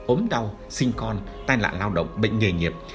ốm đau sinh con tai nạn lao động bệnh nghề nghiệp